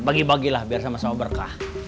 bagi bagilah biar sama sama berkah